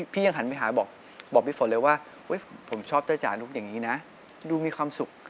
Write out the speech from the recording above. พี่ยังหันไปหาบอกพี่ฝนเลยว่าผมชอบเต้ยจานุ๊กอย่างนี้นะดูมีความสุข